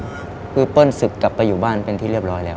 คือเปิ้ลศึกกลับไปอยู่บ้านเป็นที่เรียบร้อยแล้ว